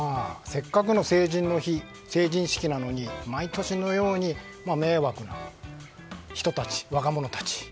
せっかくの成人の日成人式なのに毎年のように迷惑な人たち若者たち。